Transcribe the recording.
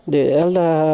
để là đưa